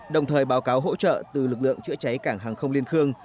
đồng thời báo cáo hỗ trợ từ lực lượng chữa cháy cảng hàng không liên khương